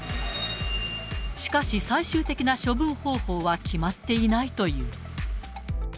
しかし、最終的な処分方法は決まっていないという。